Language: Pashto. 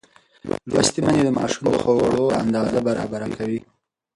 لوستې میندې د ماشومانو د خوړو اندازه برابره کوي.